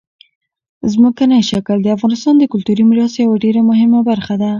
ځمکنی شکل د افغانستان د کلتوري میراث یوه ډېره مهمه برخه ده.